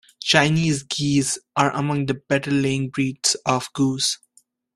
Chinese geese are among the better laying breeds of goose.